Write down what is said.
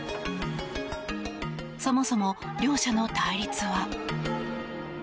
そもそも両者の対立は。